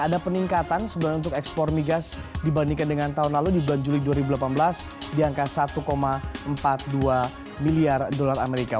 ada peningkatan sebenarnya untuk ekspor migas dibandingkan dengan tahun lalu di bulan juli dua ribu delapan belas di angka satu empat puluh dua miliar dolar amerika